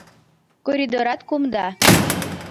Коридорат кумда.